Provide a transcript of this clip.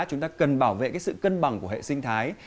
chúng ta cần bảo vệ sự cân bằng của hệ sinh thái